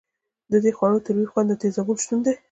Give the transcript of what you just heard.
د دې خوړو تریو خوند د تیزابونو شتون دی.